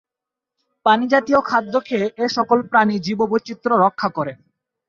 পানিজাতীয় খাদ্য খেয়ে এ সকল প্রাণী জীববৈচিত্র্য রক্ষা করে।